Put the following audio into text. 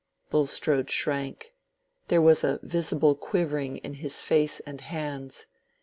Bulstrode shrank—there was a visible quivering in his face and hands.